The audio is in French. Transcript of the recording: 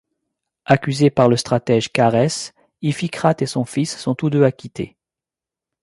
Accusés par le stratège Charès, Iphicrate et son fils sont tous deux acquittés.